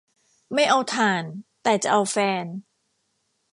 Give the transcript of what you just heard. ไม่เอาถ่าน แต่จะเอาแฟน